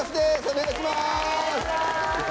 お願いします！